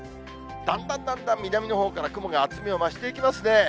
だんだんだんだん南のほうから雲が厚みを増していきますね。